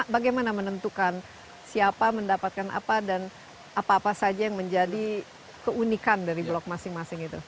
bagaimana menentukan siapa mendapatkan apa dan apa apa saja yang menjadi keunikan dari blok masing masing itu